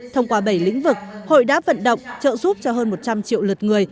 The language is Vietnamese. thông qua bảy lĩnh vực hội đã vận động trợ giúp cho hơn một trăm linh triệu lượt người